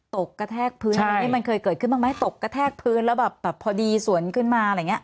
ตกกระแทกพื้นมันเคยเกิดขึ้นบ้างไหมตกกระแทกพื้นแล้วพอดีสวนขึ้นมา